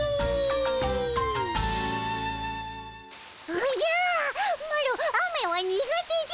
おじゃマロ雨は苦手じゃ！